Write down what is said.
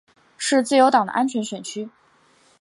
是自由党的安全选区。